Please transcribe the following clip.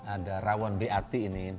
ada rawon beati ini